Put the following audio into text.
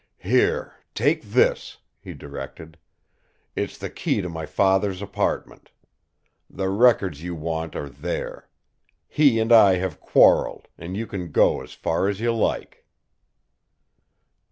"Here, take this," he directed. "It's the key to my father's apartment. The records you want are there. He and I have quarreled and you can go as far as you like."